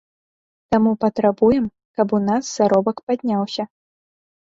Таму патрабуем, каб у нас заробак падняўся.